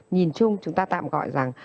nhìn chung chúng ta tạm gọi rằng